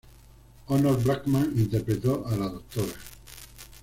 Honor Blackman interpretó a la Dra.